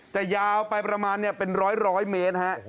แต่ยาวไปประมาณเป็นร้อยเมตรฮะ